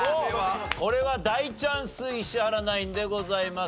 これは大チャンス石原ナインでございます。